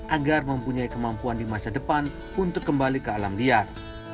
agar mempunyai kemampuan di masa depan untuk kembali ke alam liar